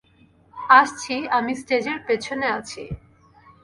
আসছি, আমি স্টেজের পেছনে আছি।